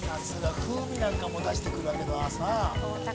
風味なんかも出してくるわけだ。